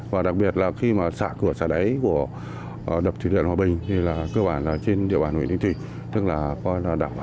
và đặc biệt là khi mà